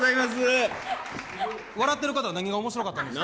笑ってる方、何が面白かったんですか？